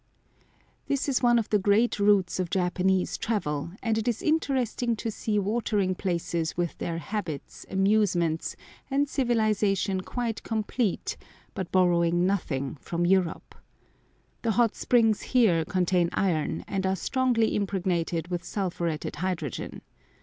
This is one of the great routes of Japanese travel, and it is interesting to see watering places with their habits, amusements, and civilisation quite complete, but borrowing nothing from Europe. The hot springs here contain iron, and are strongly impregnated with sulphuretted hydrogen.